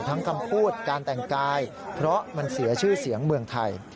คำพูดการแต่งกายเพราะมันเสียชื่อเสียงเมืองไทย